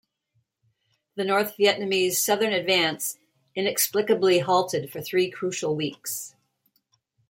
The North Vietnamese southern advance inexplicably halted for three crucial weeks.